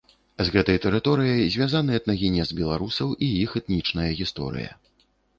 З гэтай тэрыторыяй звязаны этнагенез беларусаў і іх этнічная гісторыя.